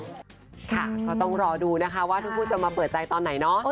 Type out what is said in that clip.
ค่ะก็ต้องรอดูนะคะว่าทั้งคู่จะมาเปิดใจตอนไหนเนาะ